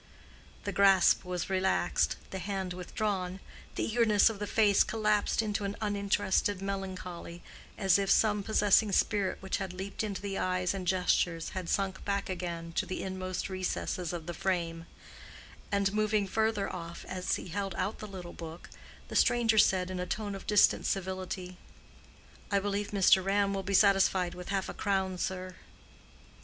The grasp was relaxed, the hand withdrawn, the eagerness of the face collapsed into uninterested melancholy, as if some possessing spirit which had leaped into the eyes and gestures had sunk back again to the inmost recesses of the frame; and moving further off as he held out the little book, the stranger said in a tone of distant civility, "I believe Mr. Ram will be satisfied with half a crown, sir."